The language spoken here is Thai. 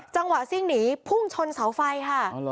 จังหวะซิ่งหนีพุ่งชนเสาไฟค่ะ